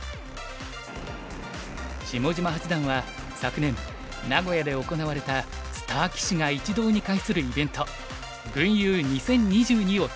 下島八段は昨年名古屋で行われたスター棋士が一堂に会するイベント群遊２０２２を企画。